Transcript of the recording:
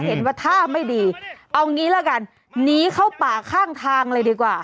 เห็นว่าท่าไม่ดีเอางี้ละกันหนีเข้าป่าข้างทางเลยดีกว่า